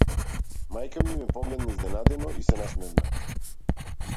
Мајка ми ме погледна изненадено и се насмевна.